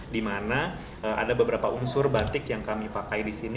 di mana ada beberapa unsur batik yang kami pakai di sini